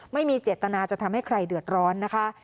ไม่มีเจตนาจะทำให้ใครเดือดร้อนนะคะ